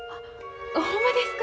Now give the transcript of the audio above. ほんまですか？